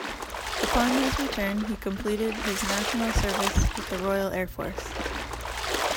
Upon his return, he completed his National Service with the Royal Air Force.